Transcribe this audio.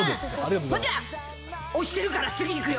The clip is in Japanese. ほんじゃ、押してるから、次行くよ。